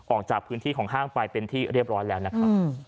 ออกจากพื้นที่ของห้างไปเป็นที่เรียบร้อยแล้วนะครับ